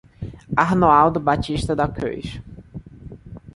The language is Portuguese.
Arnoaldo Batista da Cruz